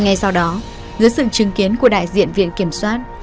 ngay sau đó dưới sự chứng kiến của đại diện viện kiểm soát